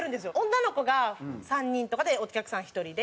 女の子が３人とかでお客さん１人で。